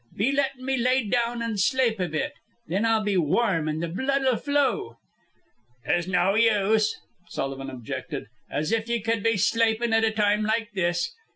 Be lettin' me lay down an' slape a bit. Then I'll be warm an' the blood'll flow." "'Tis no use," Sullivan objected. "As if ye cud be slapin' at a time like this.